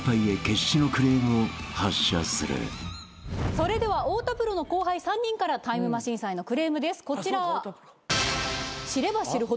それでは太田プロの後輩３人からタイムマシーンさんへのクレームですこちら。